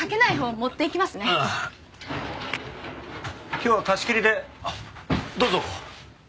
今日は貸し切りであっどうぞ。